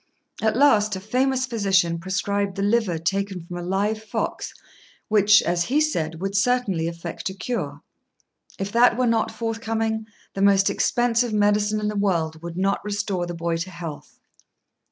At last a famous physician prescribed the liver taken from a live fox, which, as he said, would certainly effect a cure. If that were not forthcoming, the most expensive medicine in the world would not restore the boy to health.